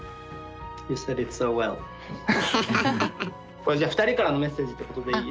これじゃあ２人からのメッセージってことでいい？